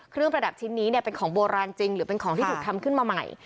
ประดับชิ้นนี้เป็นของโบราณจริงหรือเป็นของที่ถูกทำขึ้นมาใหม่